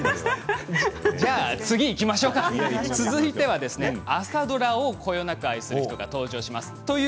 続いては朝ドラをこよなく愛する人が登場します。